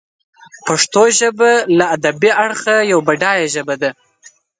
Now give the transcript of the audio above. پښتو ژبه له ادبي اړخه یوه بډایه ژبه ده.